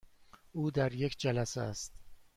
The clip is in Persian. او در یک جلسه است.